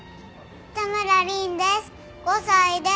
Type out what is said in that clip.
多村凛です。